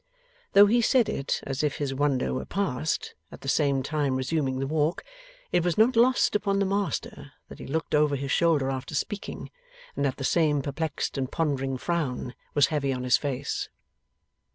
Though he said it as if his wonder were past at the same time resuming the walk it was not lost upon the master that he looked over his shoulder after speaking, and that the same perplexed and pondering frown was heavy on his face.